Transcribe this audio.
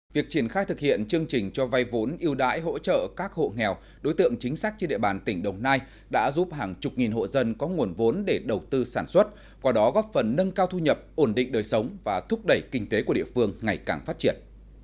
việc triển khai thực hiện chương trình cho vay vốn yêu đãi hỗ trợ các hộ nghèo đối tượng chính sách trên địa bàn tỉnh đồng nai đã giúp hàng chục nghìn hộ dân có nguồn vốn để đầu tư sản xuất qua đó góp phần nâng cao thu nhập ổn định đời sống và thúc đẩy kinh tế của địa phương ngày càng phát triển